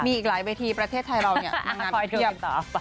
มีอีกหลายวิธีประเทศไทยเรานี่นางงานก็เพียบ